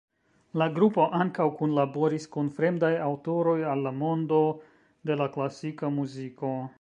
La grupo ankaŭ kunlaboris kun fremdaj aŭtoroj al la mondo de la klasika muziko.